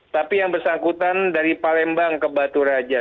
tapi yang bersangkutan dari palembang ke baturaja